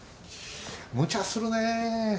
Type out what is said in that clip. むちゃするね。